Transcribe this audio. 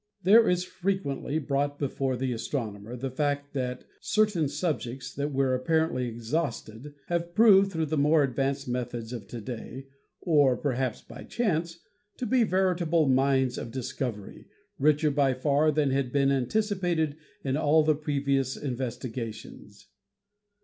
There is frequently brought before the astronomer the fact that certain subjects that were apparently exhausted have proved through the more advanced methods of to day, or perhaps by chance, to be veritable mines of dis covery, richer by far than had been anticipated in all the previous investigations.